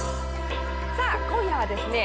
さあ今夜はですね